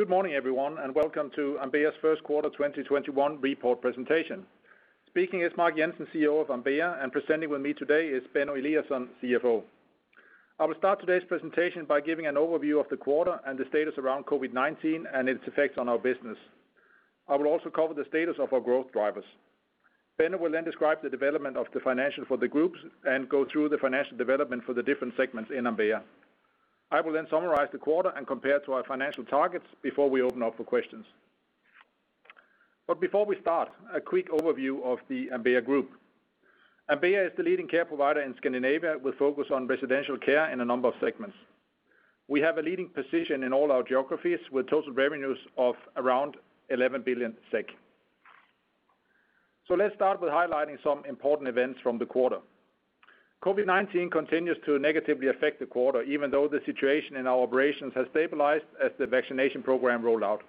Good morning everyone, welcome to Ambea's First Quarter 2021 Report Presentation. Speaking is Mark Jensen, CEO of Ambea, presenting with me today is Benno Eliasson, CFO. I will start today's presentation by giving an overview of the quarter and the status around COVID-19 and its effects on our business. I will also cover the status of our growth drivers. Benno will then describe the development of the financials for the groups and go through the financial development for the different segments in Ambea. I will then summarize the quarter and compare to our financial targets before we open up for questions. Before we start, a quick overview of the Ambea group. Ambea is the leading care provider in Scandinavia, with focus on residential care in a number of segments. We have a leading position in all our geographies with total revenues of around 11 billion SEK. Let's start with highlighting some important events from the quarter. COVID-19 continues to negatively affect the quarter, even though the situation in our operations has stabilized as the vaccination program rolled out.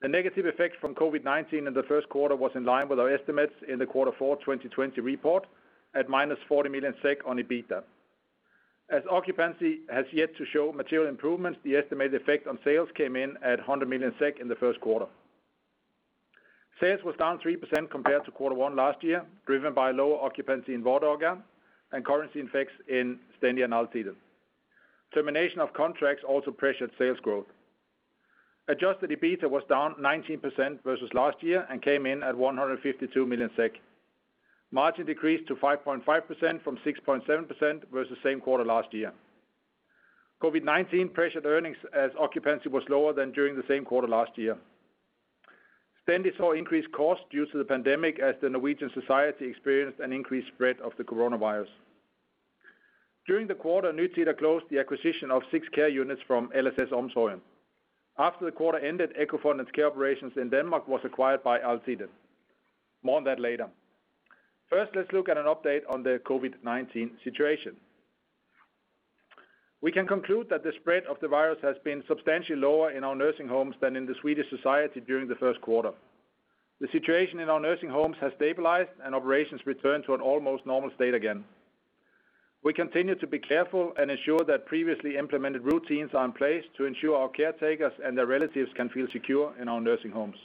The negative effect from COVID-19 in the first quarter was in line with our estimates in the quarter four 2020 report at 40 million SEK on EBITDA. As occupancy has yet to show material improvements, the estimated effect on sales came in at 100 million SEK in the first quarter. Sales was down 3% compared to quarter one last year, driven by lower occupancy in Vardaga and currency effects in Stendi and Altiden. Termination of contracts also pressured sales growth. Adjusted EBITDA was down 19% versus last year and came in at 152 million SEK. Margin decreased to 5.5% from 6.7% versus same quarter last year. COVID-19 pressured earnings as occupancy was lower than during the same quarter last year. Stendi saw increased costs due to the pandemic as the Norwegian society experienced an increased spread of the coronavirus. During the quarter, Nytida closed the acquisition of six care units from LSS Omsorgen. After the quarter ended, Egefondens care operations in Denmark was acquired by Altiden. More on that later. First, let's look at an update on the COVID-19 situation. We can conclude that the spread of the virus has been substantially lower in our nursing homes than in the Swedish society during the first quarter. The situation in our nursing homes has stabilized, and operations return to an almost normal state again. We continue to be careful and ensure that previously implemented routines are in place to ensure our caretakers and their relatives can feel secure in our nursing homes.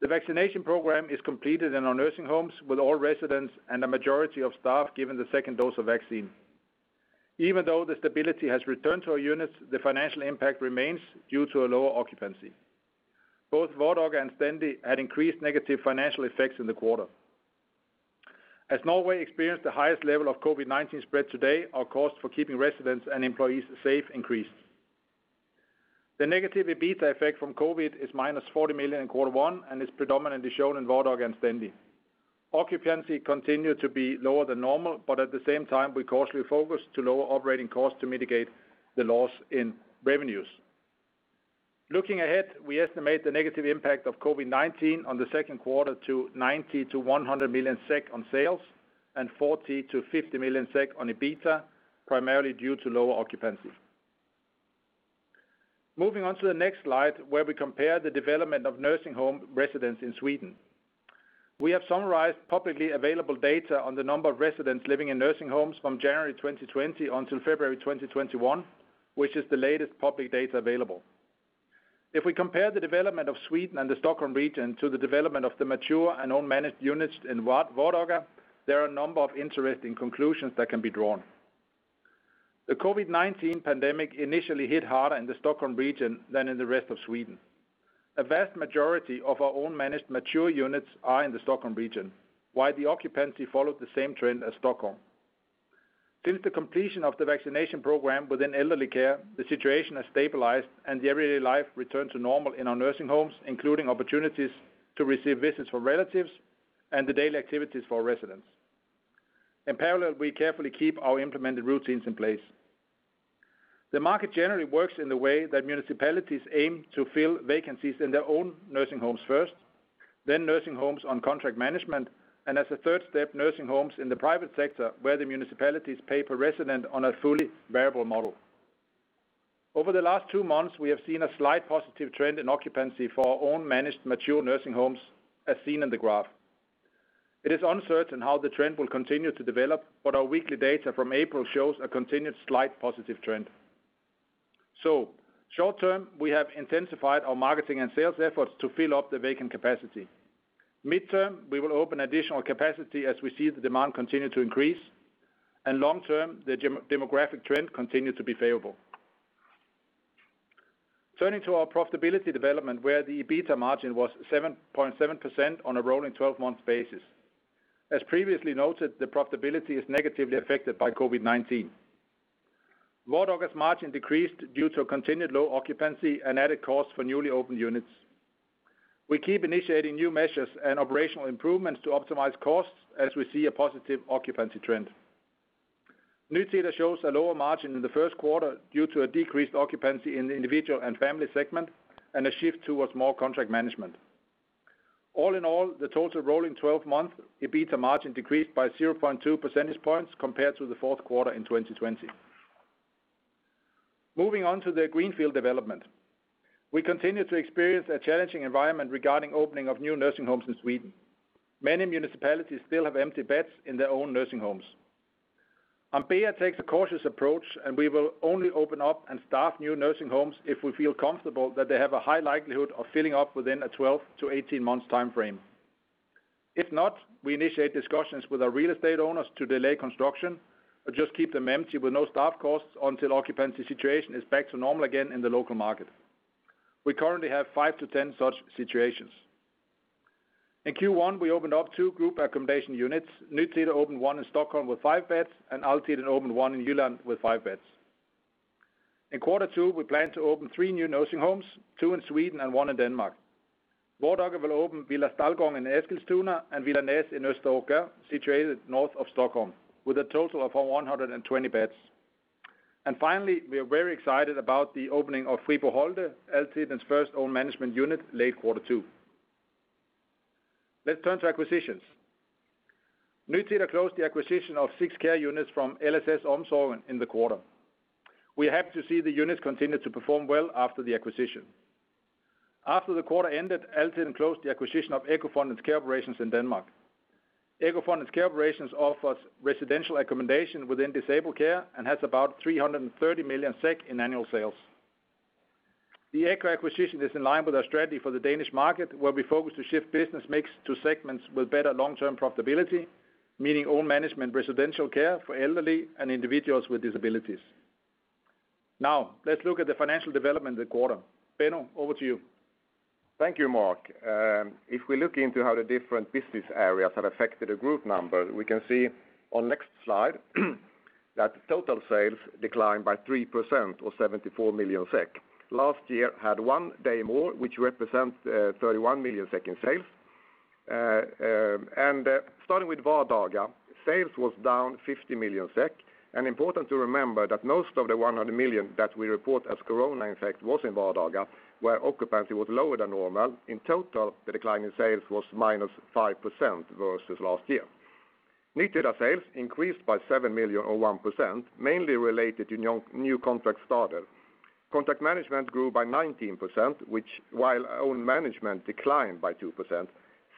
The vaccination program is completed in our nursing homes, with all residents and a majority of staff given the second dose of vaccine. Even though the stability has returned to our units, the financial impact remains due to a lower occupancy. Both Vardaga and Stendi had increased negative financial effects in the quarter. As Norway experienced the highest level of COVID-19 spread today, our cost for keeping residents and employees safe increased. The negative EBITDA effect from COVID-19 is -40 million in quarter one and is predominantly shown in Vardaga and Stendi. Occupancy continued to be lower than normal, but at the same time, we cautiously focused to lower operating costs to mitigate the loss in revenues. Looking ahead, we estimate the negative impact of COVID-19 on the second quarter to 90 million-100 million SEK on sales and 40 million-50 million SEK on EBITDA, primarily due to lower occupancy. Moving on to the next slide where we compare the development of nursing home residents in Sweden. We have summarized publicly available data on the number of residents living in nursing homes from January 2020 until February 2021, which is the latest public data available. If we compare the development of Sweden and the Stockholm region to the development of the mature and own managed units in Vardaga, there are a number of interesting conclusions that can be drawn. The COVID-19 pandemic initially hit harder in the Stockholm region than in the rest of Sweden. A vast majority of our own managed mature units are in the Stockholm region. While the occupancy followed the same trend as Stockholm. Since the completion of the vaccination program within elderly care, the situation has stabilized, and the everyday life returned to normal in our nursing homes, including opportunities to receive visits from relatives and the daily activities for residents. In parallel, we carefully keep our implemented routines in place. The market generally works in the way that municipalities aim to fill vacancies in their own nursing homes first, then nursing homes on contract management, and as a third step, nursing homes in the private sector, where the municipalities pay per resident on a fully variable model. Over the last two months, we have seen a slight positive trend in occupancy for our own managed mature nursing homes, as seen in the graph. It is uncertain how the trend will continue to develop, our weekly data from April shows a continued slight positive trend. Short term, we have intensified our marketing and sales efforts to fill up the vacant capacity. Midterm, we will open additional capacity as we see the demand continue to increase. Long term, the demographic trend continue to be favorable. Turning to our profitability development where the EBITDA margin was 7.7% on a rolling 12-month basis. As previously noted, the profitability is negatively affected by COVID-19. Vardaga's margin decreased due to a continued low occupancy and added cost for newly opened units. We keep initiating new measures and operational improvements to optimize costs as we see a positive occupancy trend. Nytida shows a lower margin in the first quarter due to a decreased occupancy in the individual and family segment and a shift towards more contract management. All in all, the total rolling 12 month EBITDA margin decreased by 0.2 percentage points compared to the fourth quarter in 2020. Moving on to the greenfield development. We continue to experience a challenging environment regarding opening of new nursing homes in Sweden. Many municipalities still have empty beds in their own nursing homes. Ambea takes a cautious approach, and we will only open up and staff new nursing homes if we feel comfortable that they have a high likelihood of filling up within a 12 to 18 months timeframe. If not, we initiate discussions with our real estate owners to delay construction or just keep them empty with no staff costs until the occupancy situation is back to normal again in the local market. We currently have five to 10 such situations. In Q1, we opened up two group accommodation units. Nytida opened one in Stockholm with five beds. Altiden opened one in Jutland with five beds. In quarter two, we plan to open three new nursing homes, two in Sweden and one in Denmark. Vardaga will open Villa Stallgången in Eskilstuna and Villa Näs in Österåker, situated north of Stockholm, with a total of 120 beds. Finally, we are very excited about the opening of Fribo Holte. Altiden's first own-management unit, late quarter two. Let's turn to acquisitions. Nytida closed the acquisition of six care units from LSS Omsorgen in the quarter. We're happy to see the units continue to perform well after the acquisition. After the quarter ended, Altiden closed the acquisition of Egefondens Care Operations in Denmark. Egefondens Care Operations offers residential accommodation within disabled care and has about 330 million SEK in annual sales. The Egefondens acquisition is in line with our strategy for the Danish market, where we focus to shift business mix to segments with better long-term profitability, meaning own management residential care for elderly and individuals with disabilities. Now, let's look at the financial development of the quarter. Benno, over to you. Thank you, Mark. If we look into how the different business areas have affected the group numbers, we can see on the next slide that total sales declined by 3% or 74 million SEK. Last year had one day more, which represents 31 million SEK in sales. Starting with Vardaga, sales were down 50 million SEK. Important to remember that most of the 100 million that we report as corona impact was in Vardaga, where occupancy was lower than normal. In total, the decline in sales was -5% versus last year. Nytida sales increased by 7 million or 1%, mainly related to new contracts started. Contract management grew by 19%, while own management declined by 2%.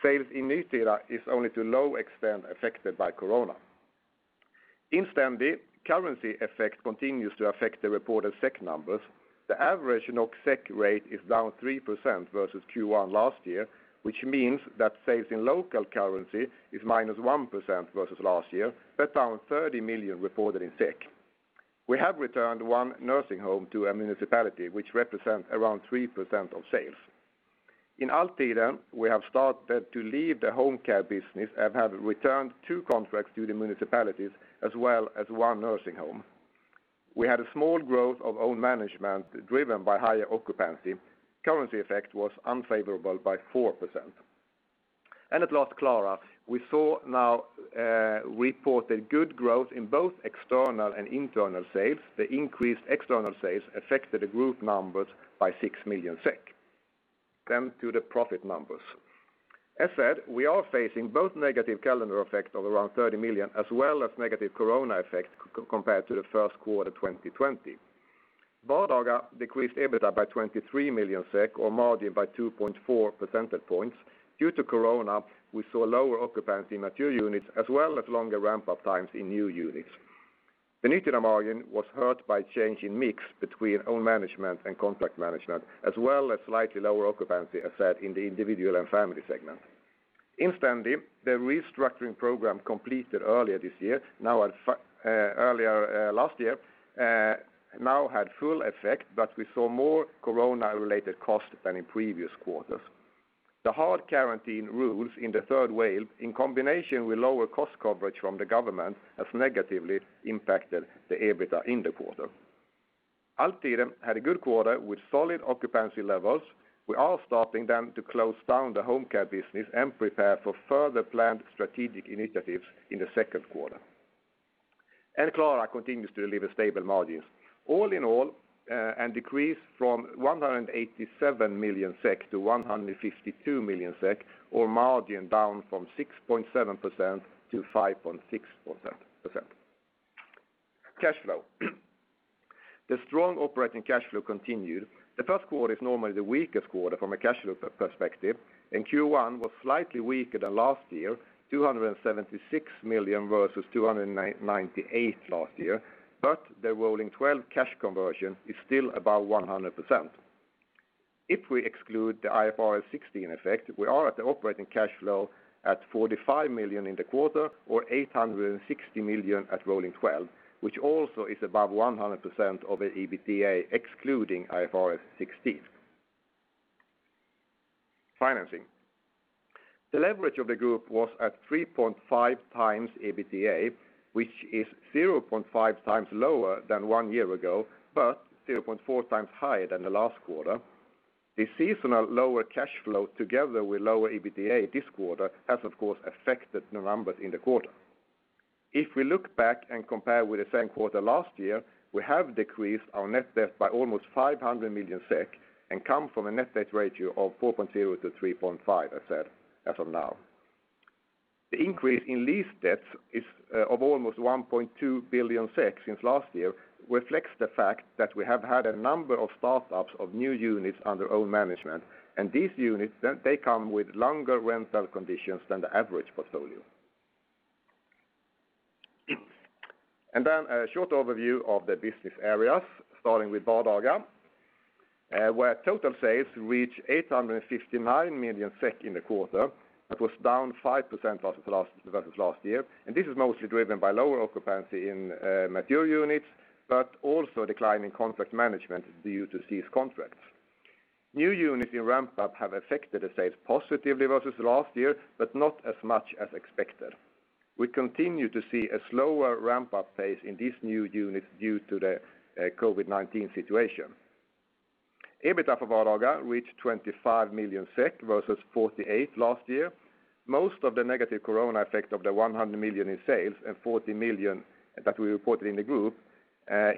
Sales in Nytida is only to a low extent affected by corona. In Stendi, currency effect continues to affect the reported SEK numbers. The average NOK/SEK rate is down 3% versus Q1 last year, which means that sales in local currency is -1% versus last year. That's down 30 million reported in SEK. We have returned one nursing home to a municipality, which represents around 3% of sales. In Altiden, we have started to leave the home care business and have returned two contracts to the municipalities as well as one nursing home. We had a small growth of own management driven by higher occupancy. Currency effect was unfavorable by 4%. At last, Klara. We saw now reported good growth in both external and internal sales. The increased external sales affected the group numbers by 6 million SEK. To the profit numbers. As said, we are facing both negative calendar effects of around 30 million as well as negative corona effects compared to the first quarter 2020. Vardaga decreased EBITDA by 23 million SEK or margin by 2.4 percentage points. Due to corona, we saw lower occupancy in mature units as well as longer ramp-up times in new units. The Nytida margin was hurt by a change in mix between own management and contract management, as well as slightly lower occupancy as said in the individual and family segment. In Stendi, the restructuring program completed earlier last year now had full effect, we saw more corona-related costs than in previous quarters. The hard quarantine rules in the third wave, in combination with lower cost coverage from the government, has negatively impacted the EBITDA in the quarter. Altiden had a good quarter with solid occupancy levels. We are starting then to close down the home care business and prepare for further planned strategic initiatives in the second quarter. Klara continues to deliver stable margins. All in all, a decrease from 187 million-152 million SEK, or margin down from 6.7%-5.6%. Cash flow. The strong operating cash flow continued. The first quarter is normally the weakest quarter from a cash flow perspective. Q1 was slightly weaker than last year, 276 million versus 298 last year. The rolling 12 cash conversion is still above 100%. If we exclude the IFRS 16 effect, we are at the operating cash flow at 45 million in the quarter or 860 million at rolling 12, which also is above 100% of the EBITDA excluding IFRS 16. Financing. The leverage of the group was at 3.5x EBITDA, which is 0.5x lower than one year ago, but 0.4x higher than the last quarter. The seasonal lower cash flow together with lower EBITDA this quarter has of course affected the numbers in the quarter. If we look back and compare with the same quarter last year, we have decreased our net debt by almost 500 million SEK and come from a net debt ratio of 4.0%-3.5% as said as of now. The increase in lease debts is of almost 1.2 billion since last year, reflects the fact that we have had a number of startups of new units under own management, and these units, they come with longer rental conditions than the average portfolio. A short overview of the business areas, starting with Vardaga, where total sales reached 859 million SEK in the quarter. That was down 5% versus last year. This is mostly driven by lower occupancy in mature units, but also a decline in contract management due to ceased contracts. New units in ramp-up have affected the sales positively versus last year, but not as much as expected. We continue to see a slower ramp-up pace in these new units due to the COVID-19 situation. EBITDA for Vardaga reached 25 million SEK versus 48 million last year. Most of the negative corona effect of the 100 million in sales and 40 million that we reported in the group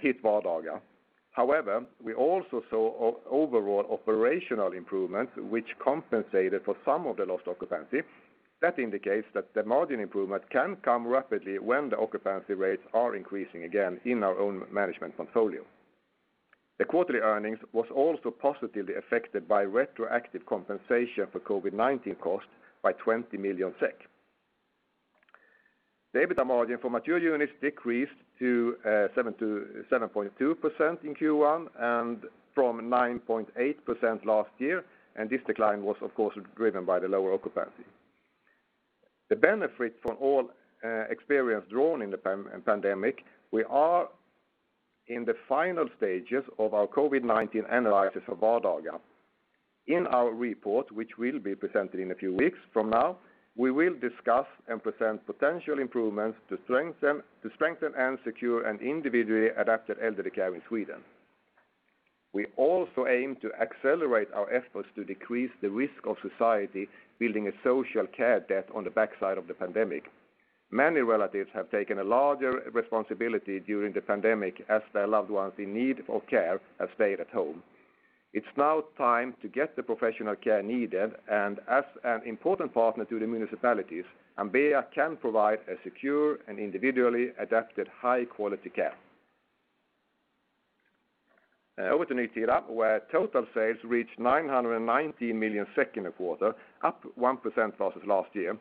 hit Vardaga. We also saw overall operational improvement, which compensated for some of the lost occupancy. That indicates that the margin improvement can come rapidly when the occupancy rates are increasing again in our own management portfolio. The quarterly earnings was also positively affected by retroactive compensation for COVID-19 costs by 20 million SEK. The EBITDA margin for mature units decreased to 7.2% in Q1 from 9.8% last year. This decline was, of course, driven by the lower occupancy. The benefit from all experience drawn in the pandemic, we are in the final stages of our COVID-19 analysis of Vardaga. In our report, which will be presented in a few weeks from now, we will discuss and present potential improvements to strengthen and secure an individually adapted elderly care in Sweden. We also aim to accelerate our efforts to decrease the risk of society building a social care debt on the backside of the pandemic. Many relatives have taken a larger responsibility during the pandemic as their loved ones in need of care have stayed at home. It's now time to get the professional care needed, and as an important partner to the municipalities, Ambea can provide a secure and individually adapted high-quality care. Over to Nytida, where total sales reached 990 million in the quarter, up 1% versus last year.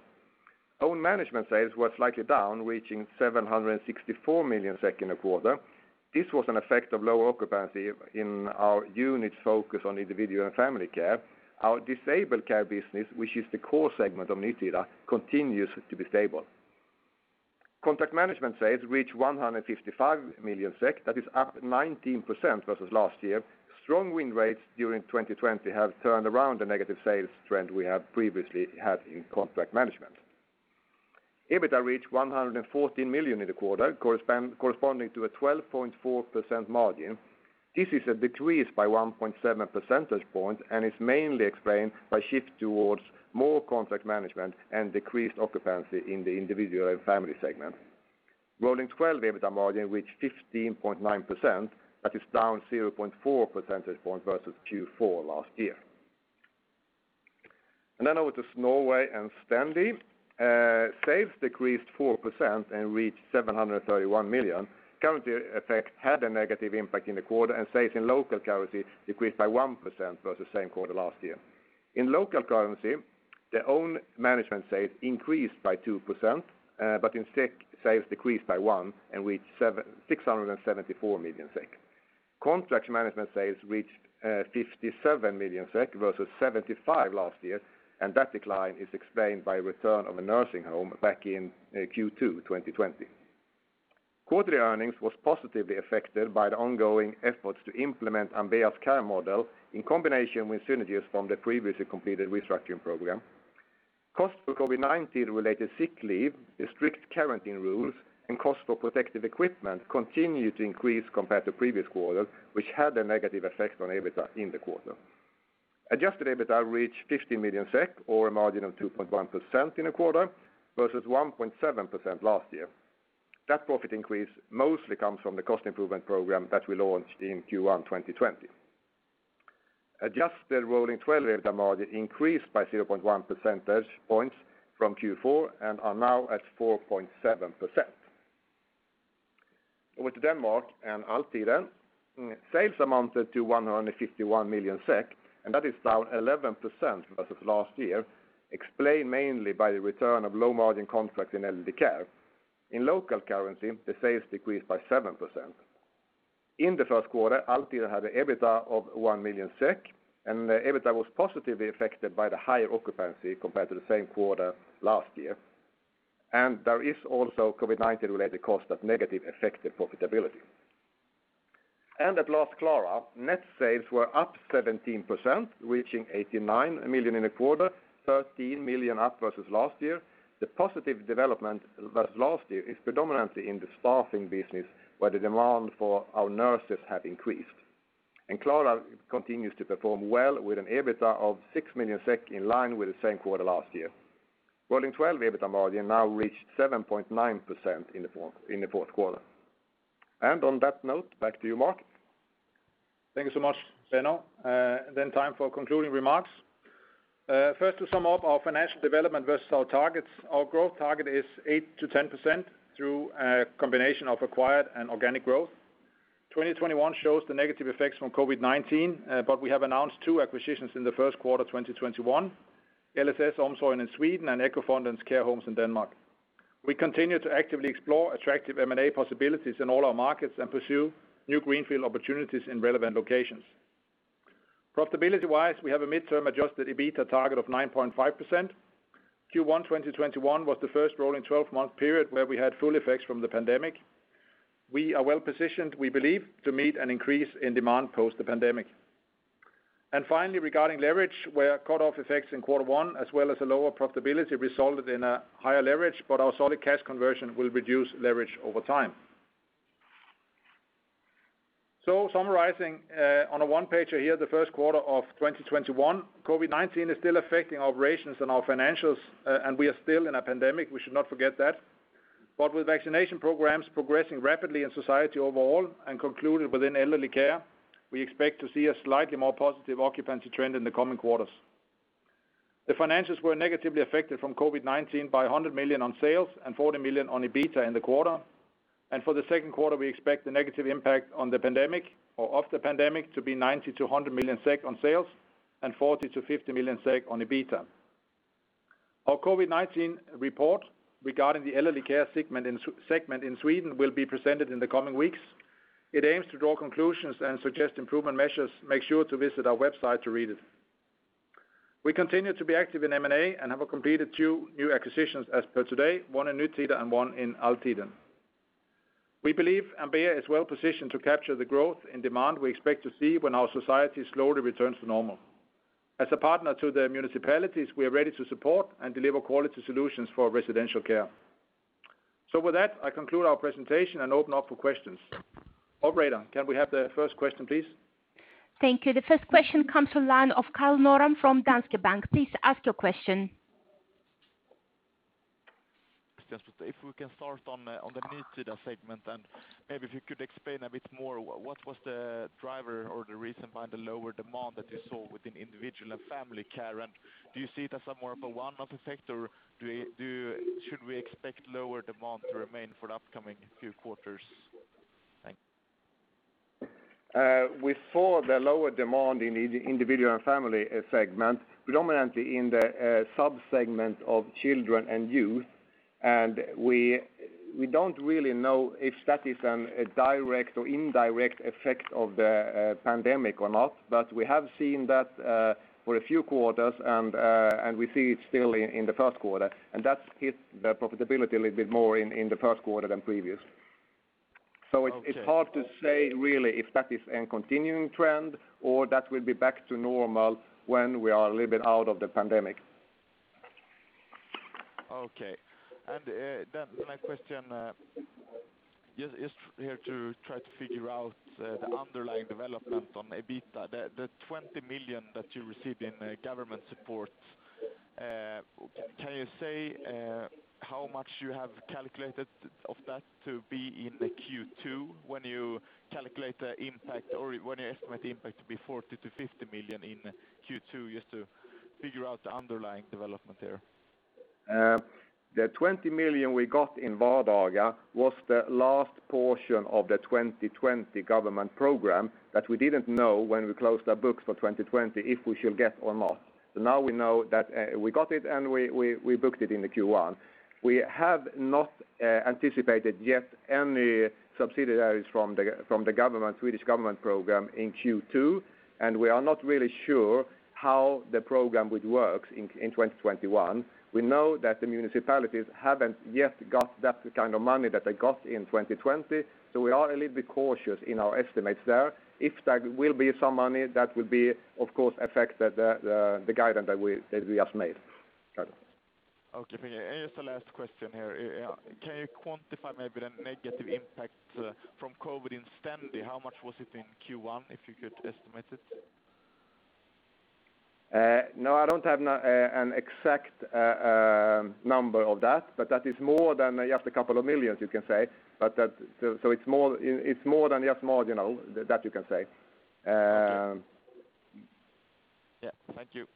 Own management sales was slightly down, reaching 764 million in the quarter. This was an effect of low occupancy in our units' focus on individual and family care. Our disabled care business, which is the core segment of Nytida, continues to be stable. Contract management sales reached 155 million SEK. That is up 19% versus last year. Strong win rates during 2020 have turned around the negative sales trend we have previously had in contract management. EBITDA reached 114 million in the quarter, corresponding to a 12.4% margin. This is a decrease by 1.7 percentage points, and is mainly explained by shift towards more contract management and decreased occupancy in the individual and family segment. Rolling 12 EBITDA margin reached 15.9%. That is down 0.4 percentage points versus Q4 last year. Over to Norway and Stendi. Sales decreased 4% and reached 731 million. Currency effect had a negative impact in the quarter. Sales in local currency decreased by 1% versus the same quarter last year. In local currency, the own management sales increased by 2%, but in SEK, sales decreased by 1% and reached 674 million SEK. Contract management sales reached 57 million SEK versus 75 million last year. That decline is explained by return of a nursing home back in Q2 2020. Quarterly earnings was positively affected by the ongoing efforts to implement Ambea's care model in combination with synergies from the previously completed restructuring program. Costs for COVID-19-related sick leave, the strict quarantine rules, and cost for protective equipment continued to increase compared to previous quarter, which had a negative effect on EBITDA in the quarter. Adjusted EBITDA reached 50 million SEK, or a margin of 2.1% in the quarter versus 1.7% last year. That profit increase mostly comes from the cost improvement program that we launched in Q1 2020. Adjusted rolling 12 EBITDA margin increased by 0.1 percentage points from Q4 and are now at 4.7%. Over to Denmark and Altiden. Sales amounted to 151 million SEK, and that is down 11% versus last year, explained mainly by the return of low-margin contracts in elderly care. In local currency, the sales decreased by 7%. In the first quarter, Altiden had an EBITDA of 1 million SEK, and the EBITDA was positively affected by the higher occupancy compared to the same quarter last year. There is also COVID-19-related costs that negative affected profitability. At last, Klara. Net sales were up 17%, reaching 89 million in the quarter, 13 million up versus last year. The positive development versus last year is predominantly in the staffing business, where the demand for our nurses have increased. Klara continues to perform well with an EBITDA of 6 million SEK, in line with the same quarter last year. Rolling 12 EBITDA margin now reached 7.9% in the fourth quarter. On that note, back to you, Mark. Thank you so much, Benno. Time for concluding remarks. First, to sum up our financial development versus our targets. Our growth target is 8%-10% through a combination of acquired and organic growth. 2021 shows the negative effects from COVID-19, but we have announced two acquisitions in the first quarter of 2021. LSS Omsorgen in Sweden and Egefonden's care homes in Denmark. We continue to actively explore attractive M&A possibilities in all our markets and pursue new greenfield opportunities in relevant locations. Profitability-wise, we have a midterm adjusted EBITDA target of 9.5%. Q1 2021 was the first rolling 12-month period where we had full effects from the pandemic. We are well-positioned, we believe, to meet an increase in demand post the pandemic. Finally, regarding leverage, where cutoff effects in quarter one, as well as a lower profitability, resulted in a higher leverage, but our solid cash conversion will reduce leverage over time. Summarizing on a one-pager here, the first quarter of 2021. COVID-19 is still affecting operations and our financials, and we are still in a pandemic. We should not forget that. With vaccination programs progressing rapidly in society overall, and concluded within elderly care, we expect to see a slightly more positive occupancy trend in the coming quarters. The financials were negatively affected from COVID-19 by 100 million on sales and 40 million on EBITDA in the quarter. For the second quarter, we expect the negative impact of the pandemic to be 90 million-100 million SEK on sales and 40 million-50 million SEK on EBITDA. Our COVID-19 report regarding the elderly care segment in Sweden will be presented in the coming weeks. It aims to draw conclusions and suggest improvement measures. Make sure to visit our website to read it. We continue to be active in M&A and have completed two new acquisitions as per today, one in Nytida and one in Altiden. We believe Ambea is well positioned to capture the growth and demand we expect to see when our society slowly returns to normal. As a partner to the municipalities, we are ready to support and deliver quality solutions for residential care. With that, I conclude our presentation and open up for questions. Operator, can we have the first question, please? Thank you. The first question comes from line of Karl Norén from Danske Bank. Please ask your question. If we can start on the Nytida segment, and maybe if you could explain a bit more, what was the driver or the reason behind the lower demand that you saw within individual and family care? Do you see it as more of a one-off effect, or should we expect lower demand to remain for the upcoming few quarters? Thanks. We saw the lower demand in the individual and family segment, predominantly in the sub-segment of children and youth. We don't really know if that is a direct or indirect effect of the pandemic or not. We have seen that for a few quarters. We see it still in the first quarter. That hit the profitability a little bit more in the first quarter than previous. Okay. It's hard to say really if that is a continuing trend or that will be back to normal when we are a little bit out of the pandemic. Okay. The next question is here to try to figure out the underlying development on EBITDA. The 20 million that you received in government support, can you say how much you have calculated of that to be in the Q2 when you calculate the impact, or when you estimate the impact to be 40 million-50 million in Q2, just to figure out the underlying development there? The 20 million we got in Vardaga was the last portion of the 2020 Government Program that we didn't know when we closed our books for 2020 if we should get or not. Now we know that we got it, and we booked it in the Q1. We have not anticipated yet any subsidies from the Swedish Government Program in Q2, and we are not really sure how the program would work in 2021. We know that the municipalities haven't yet got that kind of money that they got in 2020. We are a little bit cautious in our estimates there. If there will be some money, that would be, of course, affect the guidance that we just made. Karl. Okay. Just the last question here. Can you quantify maybe the negative impact from COVID in Stendi? How much was it in Q1, if you could estimate it? No, I don't have an exact number of that, but that is more than just a couple of millions, you can say. It's more than just marginal, that you can say. Thank you. Yeah. Thank you.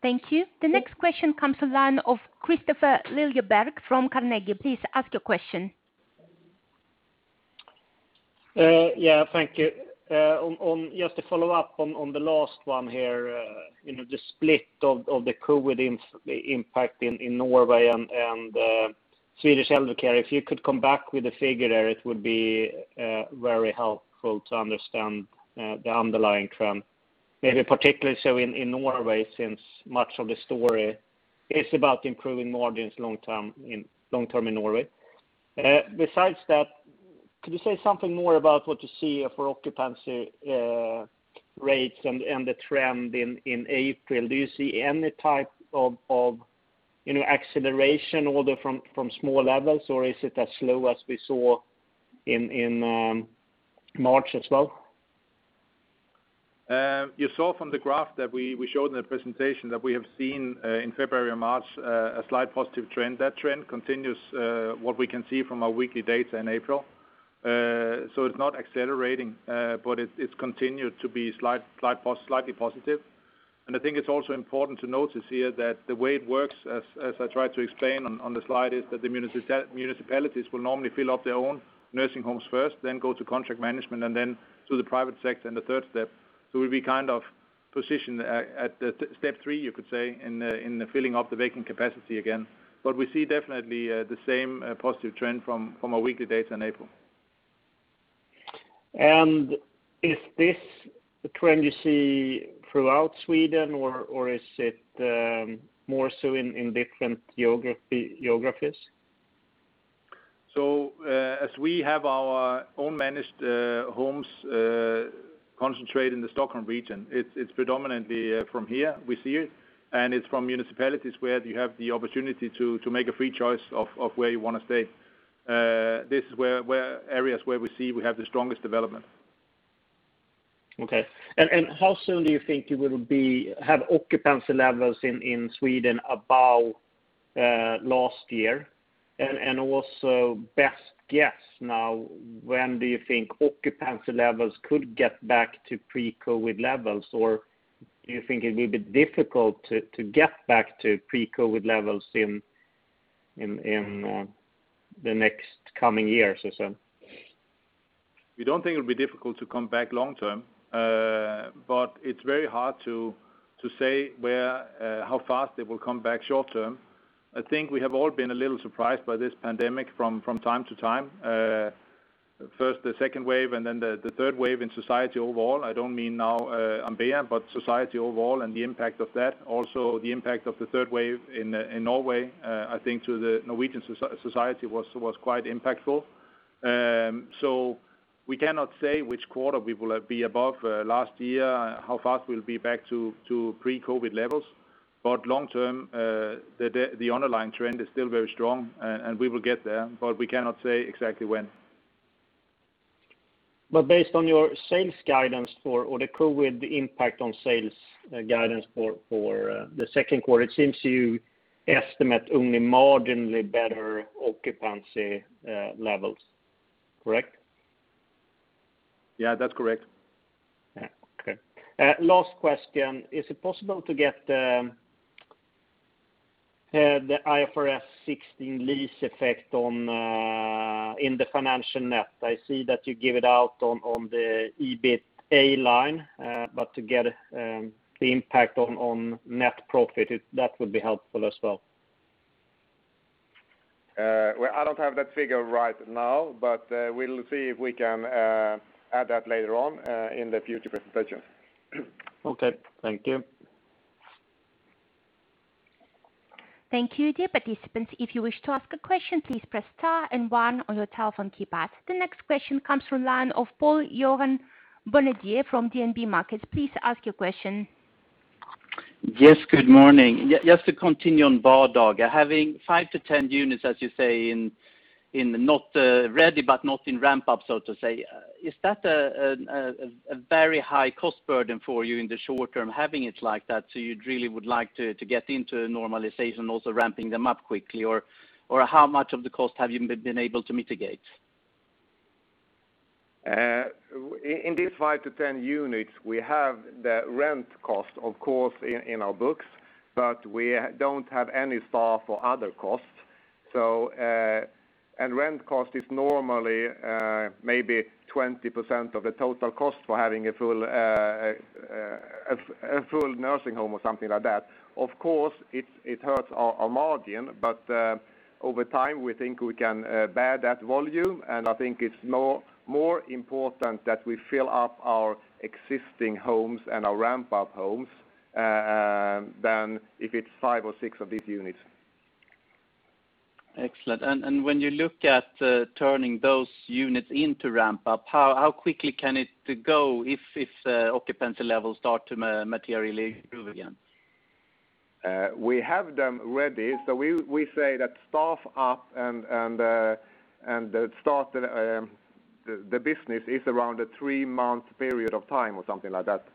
Thank you. The next question comes to line of Kristofer Liljeberg from Carnegie. Please ask your question. Thank you. Just to follow up on the last one here, the split of the COVID-19 impact in Norway and Swedish elder care. If you could come back with a figure there, it would be very helpful to understand the underlying trend. Maybe particularly so in Norway, since much of the story is about improving margins long term in Norway. Besides that, could you say something more about what you see for occupancy rates and the trend in April? Do you see any type of acceleration, although from small levels, or is it as slow as we saw in March as well? You saw from the graph that we showed in the presentation that we have seen in February and March a slight positive trend. That trend continues, what we can see from our weekly data in April. It's not accelerating, but it's continued to be slightly positive. I think it's also important to notice here that the way it works, as I tried to explain on the slide, is that the municipalities will normally fill up their own nursing homes first, then go to contract management, and then to the private sector in the third step. We'll be positioned at step three, you could say, in the filling up the vacant capacity again. We see definitely the same positive trend from our weekly data in April. Is this the trend you see throughout Sweden, or is it more so in different geographies? As we have our own managed homes concentrate in the Stockholm region, it's predominantly from here we see it, and it's from municipalities where you have the opportunity to make a free choice of where you want to stay. This is areas where we see we have the strongest development. Okay. How soon do you think you will have occupancy levels in Sweden above last year? Also best guess now, when do you think occupancy levels could get back to pre-COVID levels? Do you think it will be difficult to get back to pre-COVID levels in the next coming years or so? We don't think it'll be difficult to come back long term. It's very hard to say how fast it will come back short term. I think we have all been a little surprised by this pandemic from time to time. First the second wave, and then the third wave in society overall. I don't mean now Ambea, but society overall and the impact of that. The impact of the third wave in Norway, I think to the Norwegian society was quite impactful. We cannot say which quarter we will be above last year, how fast we'll be back to pre-COVID levels. Long term, the underlying trend is still very strong, and we will get there, but we cannot say exactly when. Based on your sales guidance for the COVID impact on sales guidance for the second quarter, it seems you estimate only marginally better occupancy levels, correct? Yeah, that's correct. Yeah. Okay. Last question. Is it possible to get the IFRS 16 lease effect in the financial net? I see that you give it out on the EBITA line. To get the impact on net profit, that would be helpful as well. Well, I don't have that figure right now, but we'll see if we can add that later on in the future presentations. Okay. Thank you. Thank you, dear participants. If you wish to ask question, please press star and one on your telephone keypad. The next question comes from line of Pål-Johan Bonnevier from DNB Markets. Please ask your question. Yes, good morning. Just to continue on Vardaga, having five to 10 units, as you say, in not ready, but not in ramp up, so to say. Is that a very high cost burden for you in the short term, having it like that? You'd really would like to get into normalization, also ramping them up quickly? Or how much of the cost have you been able to mitigate? In these five to 10 units, we have the rent cost, of course, in our books, but we don't have any staff or other costs. Rent cost is normally maybe 20% of the total cost for having a full nursing home or something like that. Of course, it hurts our margin, but over time, we think we can bear that volume. I think it's more important that we fill up our existing homes and our ramp-up homes than if it's five or six of these units. Excellent. When you look at turning those units into ramp up, how quickly can it go if occupancy levels start to materially improve again? We have them ready. We say that staff up and start the business is around a three-month period of time or something like that.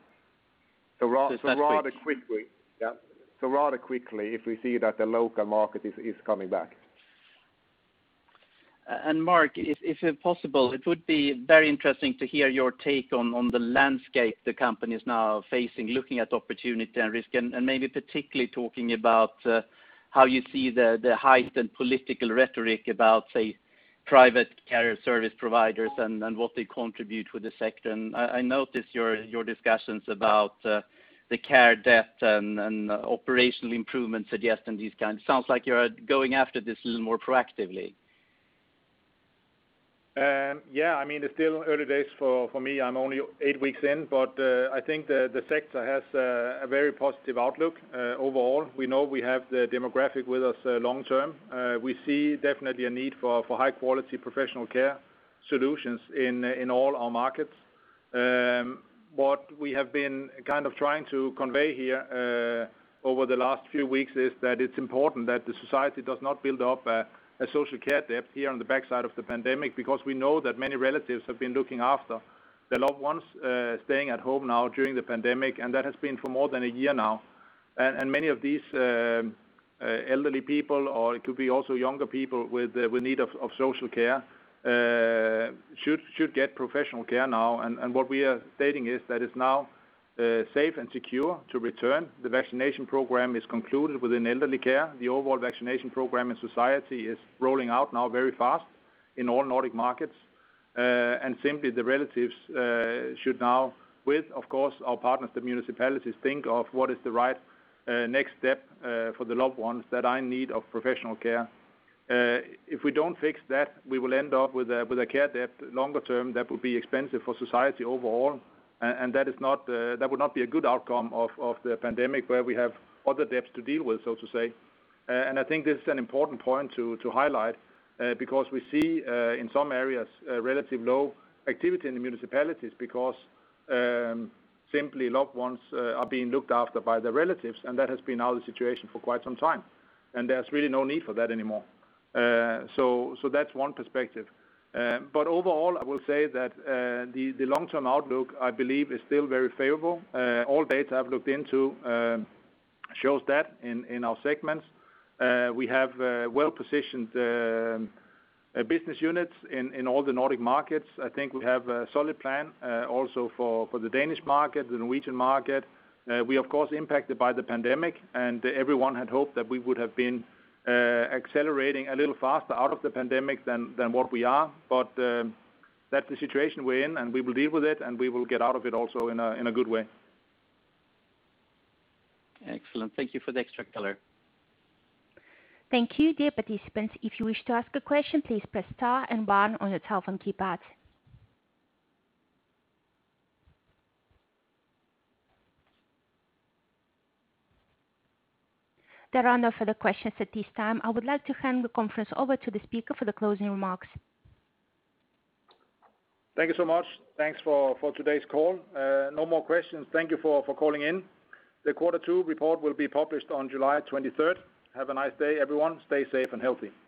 It's that quick. Rather quickly, yeah. Rather quickly if we see that the local market is coming back. Mark, if possible, it would be very interesting to hear your take on the landscape the company is now facing, looking at opportunity and risk, and maybe particularly talking about how you see the heightened political rhetoric about, say, private care service providers and what they contribute to the sector. I noticed your discussions about the care debt and operational improvements suggested and these kinds. Sounds like you're going after this a little more proactively. It's still early days for me. I'm only eight weeks in, but I think the sector has a very positive outlook overall. We know we have the demographic with us long term. We see definitely a need for high-quality professional care solutions in all our markets. What we have been kind of trying to convey here over the last few weeks is that it's important that the society does not build up a social care debt here on the backside of the pandemic, because we know that many relatives have been looking after their loved ones, staying at home now during the pandemic, and that has been for more than one year now. Many of these elderly people, or it could be also younger people with need of social care, should get professional care now. What we are stating is that it's now safe and secure to return. The vaccination program is concluded within elderly care. The overall vaccination program in society is rolling out now very fast in all Nordic markets. Simply the relatives should now, with, of course, our partners, the municipalities, think of what is the right next step for the loved ones that are in need of professional care. If we don't fix that, we will end up with a care debt longer term that will be expensive for society overall, and that would not be a good outcome of the pandemic, where we have other debts to deal with, so to say. I think this is an important point to highlight, because we see, in some areas, relative low activity in the municipalities because simply loved ones are being looked after by their relatives, and that has been now the situation for quite some time, and there is really no need for that anymore. Overall, I will say that the long-term outlook, I believe, is still very favorable. All data I have looked into shows that in our segments. We have well-positioned business units in all the Nordic markets. I think we have a solid plan also for the Danish market, the Norwegian market. We are of course impacted by the pandemic, and everyone had hoped that we would have been accelerating a little faster out of the pandemic than what we are. That's the situation we're in, and we will deal with it, and we will get out of it also in a good way. Excellent. Thank you for the extra color. Thank you. Dear participants, if you wish to ask a question, please press star and one on your telephone keypad. There are no further questions at this time. I would like to hand the conference over to the speaker for the closing remarks. Thank you so much. Thanks for today's call. No more questions. Thank you for calling in. The Quarter two report will be published on July 23rd. Have a nice day, everyone. Stay safe and healthy.